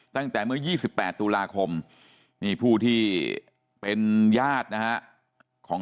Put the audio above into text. ตั้งแต่เมื่อ๒๘ตุลาคมนี่ผู้ที่เป็นญาตินะฮะของ